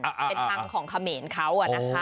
เป็นทางของเขมรเขา